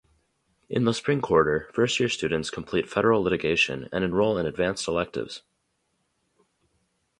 In the spring quarter, first-year students complete Federal Litigation and enroll in advanced electives.